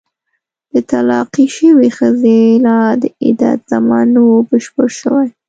د طلاقې شوې ښځې لا د عدت زمان نه وو بشپړ شوی.